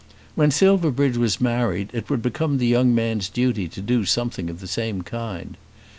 When Silverbridge was married it would become the young man's duty to do something of the same kind.